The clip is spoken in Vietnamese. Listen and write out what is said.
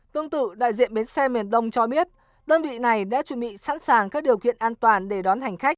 tương tự đại diện bến xe miền đông cho biết đơn vị này đã chuẩn bị sẵn sàng các điều kiện an toàn để đón hành khách